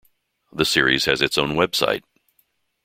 The series has its own website.